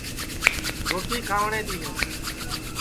روٹی کھاوٹؔیں تِئیں